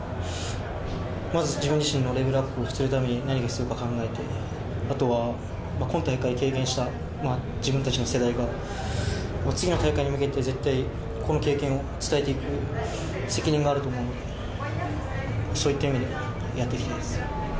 まず自分自身のレベルアップをするために何が必要か考えて、あとは、今大会を経験した自分たちの世代が、次の大会に向けて、絶対この経験を伝えていく責任があると思うのでそういった意味で、やっていきたいです。